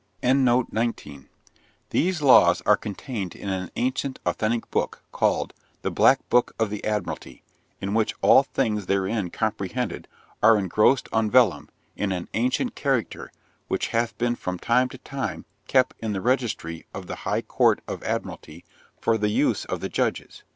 These laws are contained in an ancient authentic book, called 'The Black Book of the Admiralty,' in which all things therein comprehended are engrossed on vellum, in an ancient character; which hath been from time to time kept in the registry of the High Court of Admiralty, for the use of the Judges.